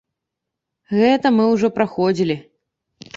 Гэта мы ўжо праходзілі.